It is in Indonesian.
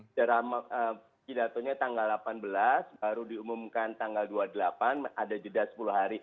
dalam pidatonya tanggal delapan belas baru diumumkan tanggal dua puluh delapan ada jeda sepuluh hari